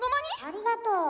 ありがとう。